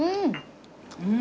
うん！